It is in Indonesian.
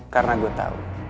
karena gue tau